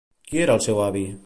Qui era el seu avi?